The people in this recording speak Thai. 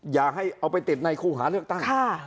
อย่าให้เอาไปติดในคู่หาเลือกตั้ง